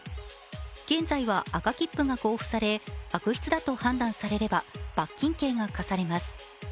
現在は赤切符が交付され、悪質だと判断されれば、罰金刑が科されます。